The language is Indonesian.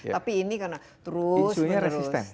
tapi ini karena terus menerus